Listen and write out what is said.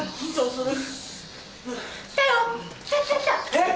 えっ！？